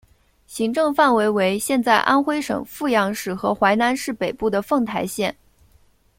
行政范围为现在安徽省阜阳市和淮南市北部的凤台县。